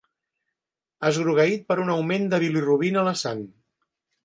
Esgrogueït per un augment de bilirubina a la sang.